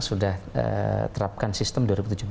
sudah terapkan sistem dua ribu tujuh belas